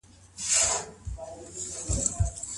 د تصويرونو خاوندانو ته به د قيامت په ورځ څه ويل کېږي؟